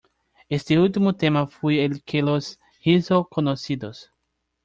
Este último tema fue el que los hizo conocidos.